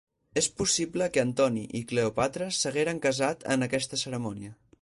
És possible que Antoni i Cleòpatra s'hagueren casat en aquesta cerimònia.